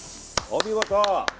お見事！